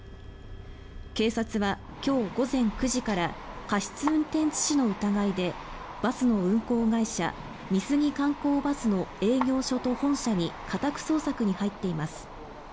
警察は今日午前９時から過失運転致死の疑いでバスの運行会社、美杉観光バスの営業所と本社に家宅捜索に入っています。